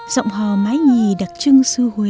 giọng hò mái nhì đặc trưng su huế